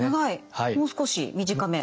もう少し短め。